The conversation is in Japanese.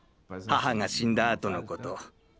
母が死んだ後のこと。